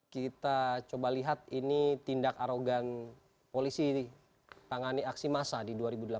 kita coba lihat ini tindak arogan polisi tangani aksi massa di dua ribu delapan belas dua ribu sembilan belas